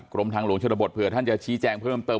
กรมทางหลวงชนบทเผื่อท่านจะชี้แจงเพิ่มเติม